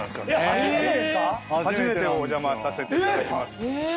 初めてですか⁉初めてお邪魔させていただきます。